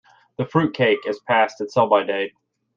The fruit cake is past its sell-by date.